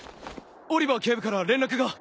オリバー警部から連絡が。